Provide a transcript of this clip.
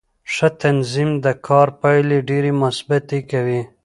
ښه تنظیم د کار پایلې ډېرې مثبتې کوي